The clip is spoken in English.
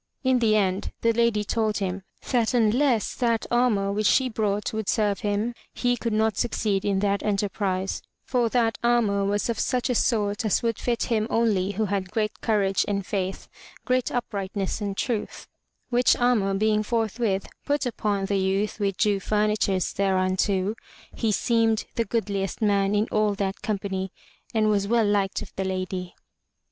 In the end the Lady told him that unless that armor which she brought would serve him, he could not succeed in that enterprise; for that armor was of such a sort as would fit him only who had great courage and faith, great uprightness and truth; which armor being forthwith put upon the youth with due furnitures thereunto, he seemed the goodliest man in all that company and was well liked of the Lady.